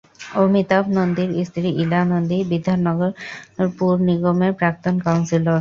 অমিতাভ নন্দীর স্ত্রী ইলা নন্দী বিধাননগর পুর নিগমের প্রাক্তন কাউন্সিলর।